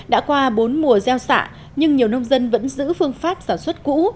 đã qua bốn mùa gieo xạ nhưng nhiều nông dân vẫn giữ phương pháp sản xuất cũ